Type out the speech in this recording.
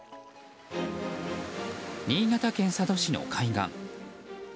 新潟県佐渡市の海岸。